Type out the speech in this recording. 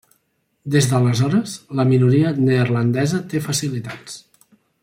Des d'aleshores, la minoria neerlandesa té facilitats.